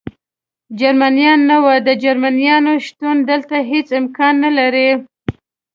جرمنیان نه و، د جرمنیانو شتون دلته هېڅ امکان نه لري.